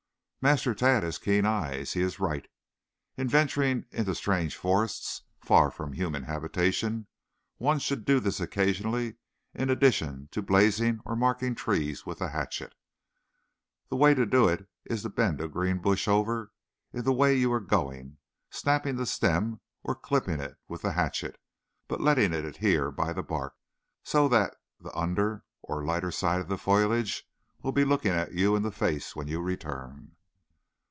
"Master Tad has keen eyes. He is right. In venturing into strange forests, far from human habitation, one should do this occasionally in addition to blazing or marking trees with the hatchet. The way to do is to bend a green bush over in the way you are going, snapping the stem or clipping it with the hatchet, but letting it adhere by the bark, so that the under or lighter side of the foliage will be looking you in the face when you return."